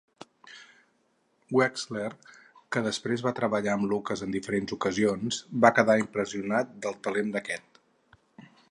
Wexler, que després va treballar amb Lucas en diverses ocasions, va quedar impressionat pel talent d'aquest.